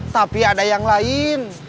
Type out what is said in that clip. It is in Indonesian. tapi ada yang lain